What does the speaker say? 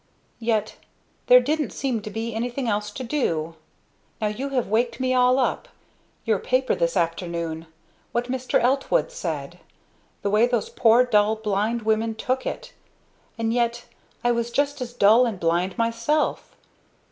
Yet there didn't seem to be anything else to do. Now you have waked me all up your paper this afternoon what Mr. Eltwood said the way those poor, dull, blind women took it. And yet I was just as dull and blind myself!